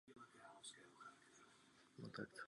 Na svém okraji má příkop.